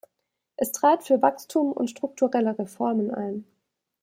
Es trat für Wachstum und strukturelle Reformen ein.